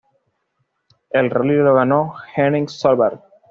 El rally lo ganó Henning Solberg.